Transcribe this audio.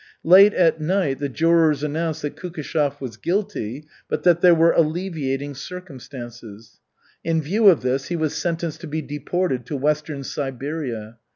Late at night the jurors announced that Kukishev was guilty, but that there were alleviating circumstances. In view of this he was sentenced to be deported to Western Siberia.